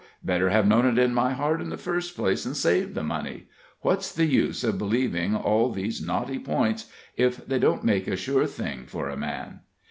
Better have known it in my heart in the first place, and saved the money. What's the use of believing all these knotty points, if they don't make a sure thing for a man?"